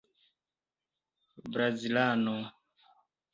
brazilano